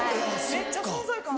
めっちゃ存在感あった。